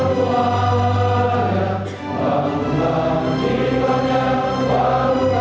bangsa ku rakyatku bangsa ku rakyatku semua